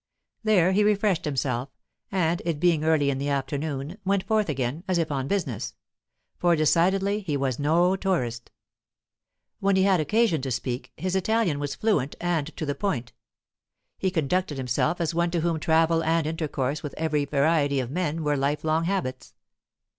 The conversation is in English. There he refreshed himself, and, it being early in the afternoon, went forth again, as if on business; for decidedly he was no tourist. When he had occasion to speak, his Italian was fluent and to the point; he conducted himself as one to whom travel and intercourse with every variety of men were life long habits.